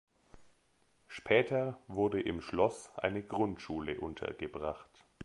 Später wurde im Schloss eine Grundschule untergebracht.